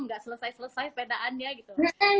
nggak selesai selesai pedaannya gitu